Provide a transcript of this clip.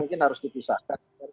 mungkin harus dipisahkan